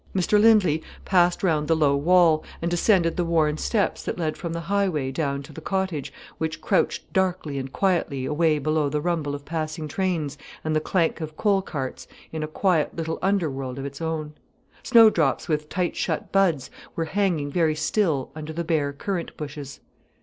Mr Lindley passed round the low wall, and descended the worn steps that led from the highway down to the cottage which crouched darkly and quietly away below the rumble of passing trains and the clank of coal carts in a quiet little under world of its own. Snowdrops with tight shut buds were hanging very still under the bare currant bushes.